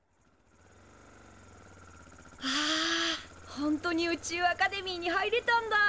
本当に宇宙アカデミーに入れたんだ。